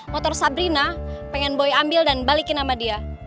motor sabrina pengen boy ambil dan balikin sama dia